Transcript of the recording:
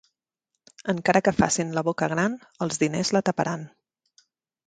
Encara que facin la boca gran, els diners la taparan.